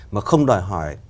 mà không đòi hỏi